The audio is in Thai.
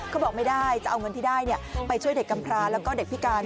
เขาบอกไม่ได้จะเอาเงินที่ได้ไปช่วยเด็กกำพราแล้วก็เด็กพิการ